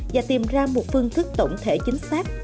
và tìm ra một phương thức tổng thể chính xác